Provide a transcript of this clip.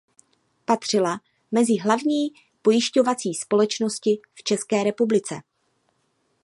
Patřila mezi hlavní pojišťovací společnosti v České republice.